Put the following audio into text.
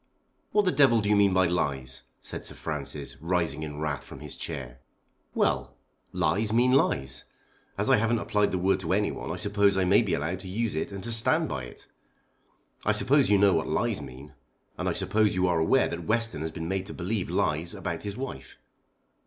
"What the devil do you mean by lies?" said Sir Francis, rising in wrath from his chair. "Well; lies mean lies. As I haven't applied the word to anyone I suppose I may be allowed to use it and to stand by it. I suppose you know what lies mean, and I suppose you are aware that Western has been made to believe lies about his wife."